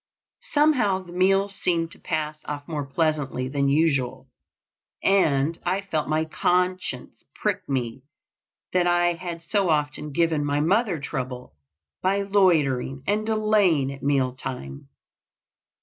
Somehow the meal seemed to pass off more pleasantly than usual, and I felt my conscience prick me that I had so often given my mother trouble by loitering and delaying at meal time.